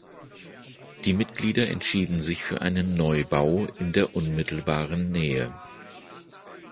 Die Mitglieder entschieden sich für einen Neubau in der unmittelbaren Nähe.